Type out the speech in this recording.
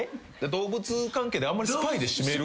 動物関係であんまりスパイで締める。